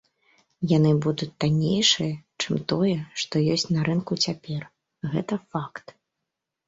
Яны будуць таннейшыя, чым тое, што ёсць на рынку цяпер, гэта факт.